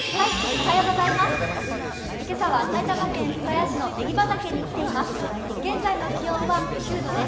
今朝は埼玉県深谷市のねぎ畑に来ています。